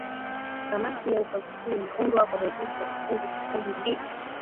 kamati ya ukaguzi inaundwa kwa mujibu wa kifungu cha kumi na mbili